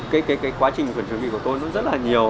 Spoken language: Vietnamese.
cái quá trình chuẩn bị của tôi nó rất là nhiều